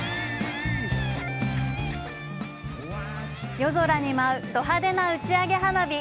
夜空に舞うど派手な打ち上げ花火。